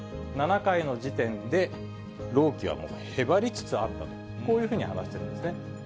７回の時点で朗希はもうへばりつつあったと、こういうふうに話してるんですね。